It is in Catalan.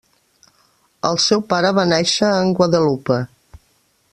El seu pare va nàixer en Guadeloupe.